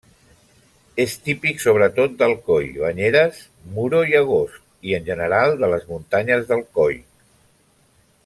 És típic sobretot d'Alcoi, Banyeres, Muro i Agost i en general de les muntanyes d'Alcoi.